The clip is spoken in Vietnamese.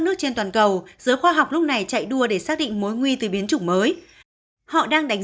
nước trên toàn cầu giới khoa học lúc này chạy đua để xác định mối nguy từ biến chủng mới họ đang đánh